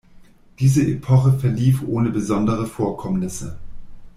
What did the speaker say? Diese Epoche verlief ohne besondere Vorkommnisse.